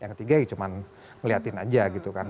yang ketiga ya cuma ngeliatin aja gitu kan